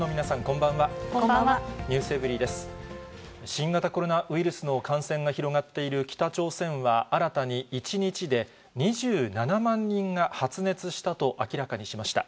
新型コロナウイルスの感染が広がっている北朝鮮は新たに１日で２７万人が発熱したと明らかにしました。